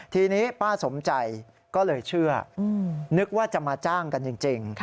ทีนี้ป้าสมใจก็เลยเชื่อนึกว่าจะมาจ้างกันจริง